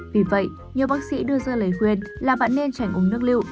vì vậy nhiều bác sĩ đưa ra lời khuyên là bạn nên trải uống nước lựu